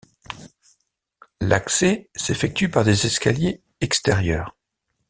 L'accès s'effectue par des escaliers extérieurs.